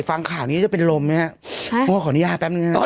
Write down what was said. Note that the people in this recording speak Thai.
ฟังขาดนี้จะเป็นลมนะฮะเพราะว่าขออนุญาตแป๊บหนึ่งนะฮะ